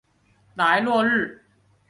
莱洛日。